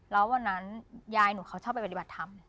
แล้ววันนั้นยายหนูเขาชอบไปปฏิบัติธรรม